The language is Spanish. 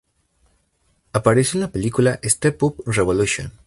Apareció en la película "Step Up Revolution".